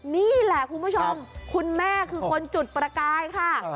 นี่แหละคุณผู้ชมคุณแม่คือคนจุดประกายค่ะ